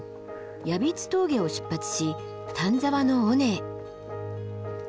ヤビツ峠を出発し丹沢の尾根へ。